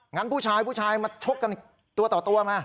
งั้นผู้ชายผู้ชายมาชกกันตัวต่อตัวมา